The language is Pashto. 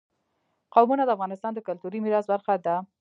قومونه د افغانستان د کلتوري میراث برخه ده.